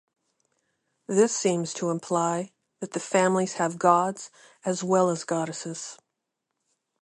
This seems to imply that the families have gods as well as goddesses.